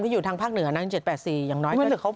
ที่อยู่ทางพลาดพลังเหนือ